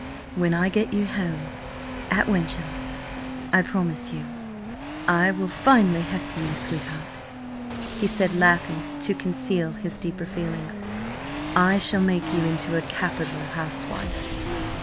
"When I get you home at Wyncham, I promise you I will finely hector you, sweetheart," he said, laughing to conceal his deeper feelings. "I shall make you into a capital housewife!"